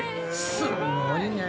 すごいね！